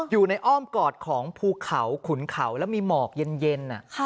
อ้อมกอดของภูเขาขุนเขาแล้วมีหมอกเย็น